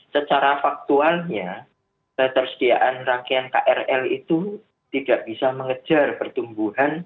secara faktualnya ketersediaan rangkaian krl itu tidak bisa mengejar pertumbuhan